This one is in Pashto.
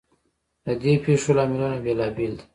ددې پیښو لاملونه بیلابیل دي.